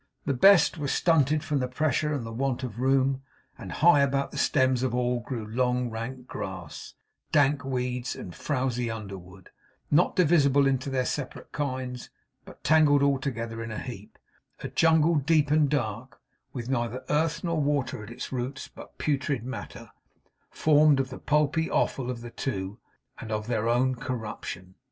The best were stunted, from the pressure and the want of room; and high about the stems of all grew long rank grass, dank weeds, and frowsy underwood; not divisible into their separate kinds, but tangled all together in a heap; a jungle deep and dark, with neither earth nor water at its roots, but putrid matter, formed of the pulpy offal of the two, and of their own corruption.